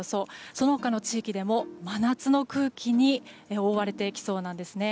その他の地域でも真夏の空気に覆われていきそうなんです。